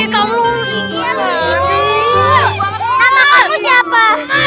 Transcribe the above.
iya ya nggak ada apa apa